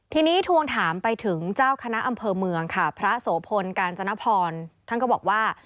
ทีนี้ทวงถามไปถึงเจ้าคณะอำเภอเมืองค่ะพระโสพลกาญจนพรท่านก็บอกว่า